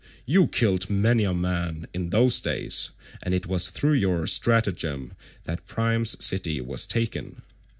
You killed many a man in those days, and it was through your stratagem that Priam's city was taken.